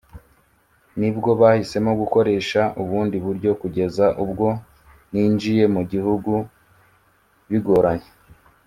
nibwo bahisemo gukoresha ubundi buryo kugeza ubwo ninjiye mu gihugu bigoranye